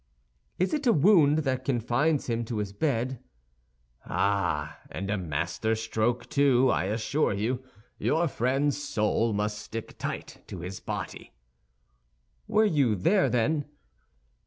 "It is a wound that confines him to his bed?" "Ah, and a master stroke, too, I assure you. Your friend's soul must stick tight to his body." "Were you there, then?"